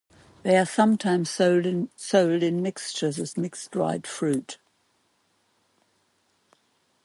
They are sometimes sold in mixtures as "mixed dried fruit".